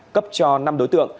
cấp cho năm đối tượng